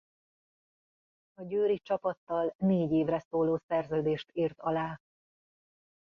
A győri csapattal négy évre szóló szerződést írt alá.